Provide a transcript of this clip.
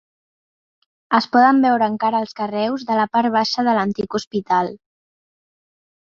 Es poden veure encara els carreus de la part baixa de l'antic hospital.